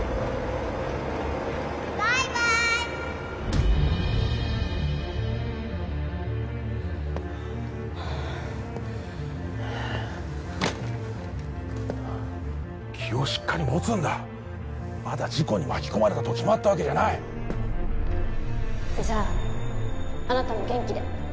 バイバーイ気をしっかり持つんだまだ事故に巻き込まれたと決まったわけじゃないじゃああなたも元気で